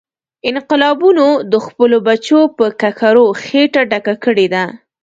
انقلابونو د خپلو بچو په ککرو خېټه ډکه کړې ده.